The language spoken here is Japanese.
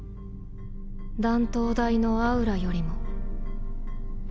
断頭台のアウラよりも。